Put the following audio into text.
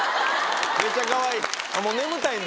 めっちゃかわいい。